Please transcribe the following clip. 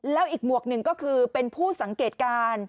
แล้วอีกหมวกหนึ่งก็คือเป็นผู้สังเกตการ